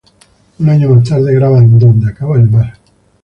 Un año más tarde graban "Donde acaba el mar".